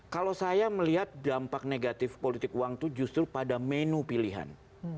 kalau saya melihat dampak negatif politik uang itu justru pada menu pilihan